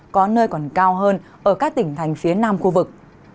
có nơi còn cao hơn ở các tỉnh thành phía nam khu vực